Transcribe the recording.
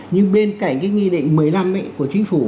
nhưng bên cạnh cái nghị định một mươi năm ấy của chính phủ